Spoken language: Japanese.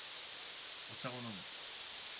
お茶を飲む